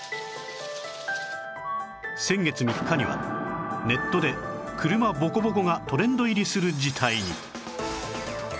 先月３日にはネットで「車ボコボコ」がトレンド入りする事態に